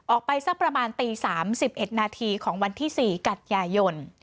ออกไปสักประมาณตี๓๑นาทีของวันที่๔กันยายน